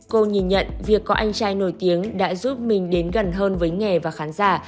cô nhìn nhận việc có anh trai nổi tiếng đã giúp mình đến gần hơn với nghề và khán giả